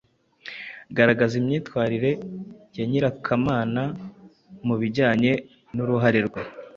Garagaza imyitwarire ya Nyirakamana ku bijyanye n’uruhare rwe